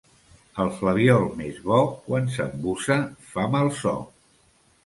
El flabiol més bo, quan s'embussa, fa mal so.